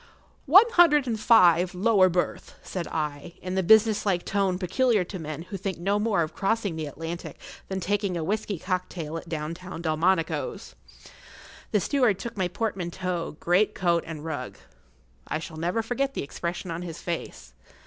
"One hundred and five, lower berth," said I, in the businesslike[Pg 12] tone peculiar to men who think no more of crossing the Atlantic than taking a whisky cocktail at downtown Delmonico's. The steward took my portmanteau, great coat, and rug. I shall never forget the expression of his face.